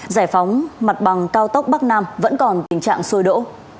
giải phóng mặt bằng cao tốc bắc nam vẫn còn tình trạng sôi đỗ